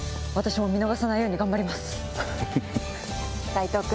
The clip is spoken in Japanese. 斉藤君。